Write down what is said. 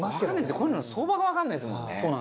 こういうのの相場がわかんないですもんね。